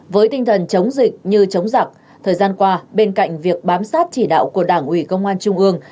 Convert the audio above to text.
với tinh thần chống dịch như chống giặc thời gian qua bên cạnh việc bám sát chỉ đạo của đảng ủy công an trung ương